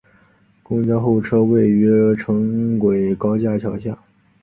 公交候车区位于城轨高架桥下。